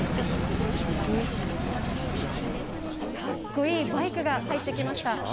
かっこいいバイクが入ってきました。